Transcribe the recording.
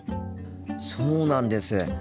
そうなんです。